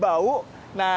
bersih dan gak bau